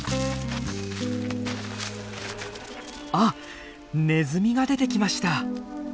あっネズミが出てきました。